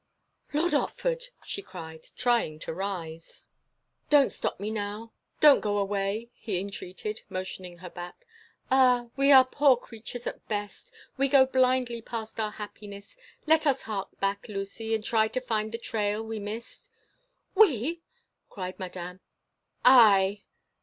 "Lord Otford!" she cried, trying to rise. "Don't stop me now! Don't go away!" he entreated, motioning her back. "Ah! we are poor creatures at best! We go blindly past our happiness. Let us hark back, Lucy, and try to find the trail we missed!" "We!" cried Madame. "I."